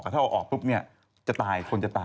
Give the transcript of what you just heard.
ถ้าเอาออกปุ๊บเนี่ยจะตายคนจะตาย